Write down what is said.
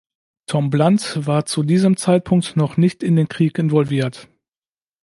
Tom Blunt war zu diesem Zeitpunkt noch nicht in den Krieg involviert.